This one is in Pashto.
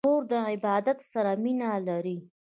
خور د عبادت سره مینه لري.